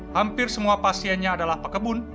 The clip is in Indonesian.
hampir semua pasiennya adalah pekebun